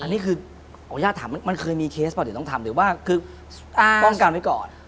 อันนี้คือขออนุญาตถามมันเคยมีเคสป่ะเดี๋ยวต้องทำหรือว่าคือป้องกันไว้ก่อน